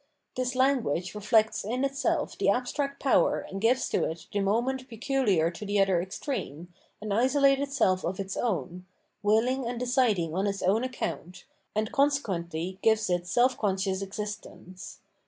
This language reflects in itseK the abstract power and gives to it the moment pecuhar to the other extreme, an isolated self of its own, willing and deciding on its own account, and conse(][uently gives it seK conscious exist ence.